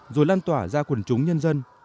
rồi lan tỏa ra quần chúng nhân dân